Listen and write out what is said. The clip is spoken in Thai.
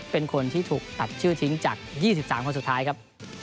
เป็นคนที่ถูกตัดชื่อทิ้งจาก๒๓คนสุดท้ายครับ